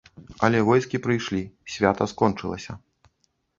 Але войскі прыйшлі, свята скончылася.